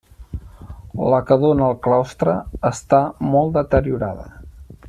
La que dóna al claustre està molt deteriorada.